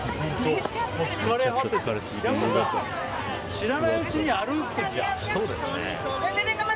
知らないうちに歩いてるじゃん。